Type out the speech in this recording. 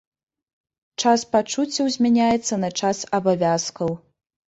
Час пачуццяў змяняецца на час абавязкаў.